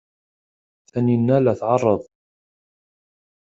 Taninna la tɛerreḍ.